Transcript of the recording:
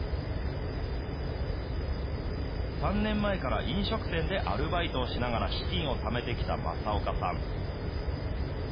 ３年前から飲食店でアルバイトをしながら資金をためてきた政岡さん。